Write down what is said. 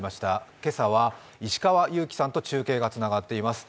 今朝は石川祐希さんと中継がつながっています。